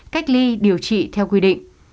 cách ly điều trị theo quy định